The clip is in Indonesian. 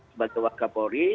sebagai waka polri